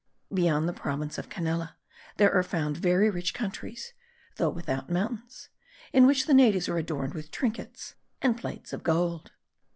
[Beyond the province of Canela there are found very rich countries (though without mountains) in which the natives are adorned with trinkets and plates of gold.